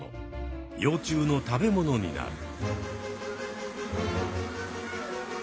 幼虫の食べ物になる。